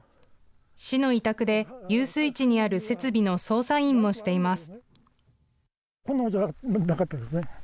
市の委託で遊水地にある設備の操作員もしています。